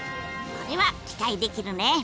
これは期待できるね！